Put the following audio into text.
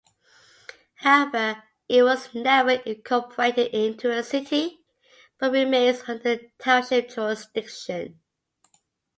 However, it was never incorporated into a city but remains under township jurisdiction.